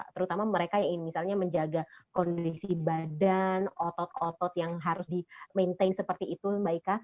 terutama mereka yang ingin misalnya menjaga kondisi badan otot otot yang harus di maintain seperti itu mbak ika